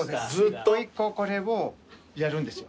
１個１個これをやるんですよ。